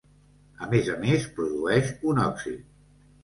A més a més, produeix un òxid.